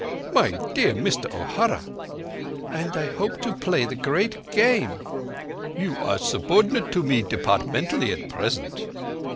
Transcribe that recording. "My dear Mister O'Hara—" "And I hope to play the Great Game." "You are subordinate to me departmentally at present."